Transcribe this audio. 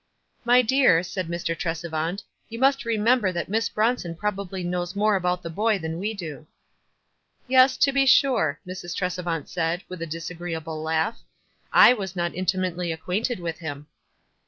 " My dear," said Mr. Tresevant, "you must re member that Miss Bronson probably knows more about the boy than we do." "Yes, to be sure," Mrs. Tresevant said, with a disagreeable laugh. "I was not intimately acquainted with him."